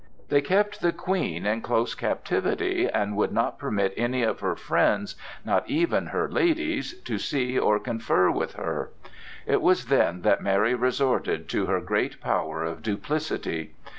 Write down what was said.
They kept the Queen in close captivity and would not permit any of her friends, not even her ladies, to see or confer with her. It was then that Mary resorted to her great power of duplicity.